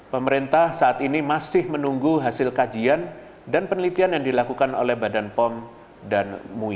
pemerintah saat ini masih menunggu hasil kajian dan penelitian yang dilakukan oleh badan pom dan mui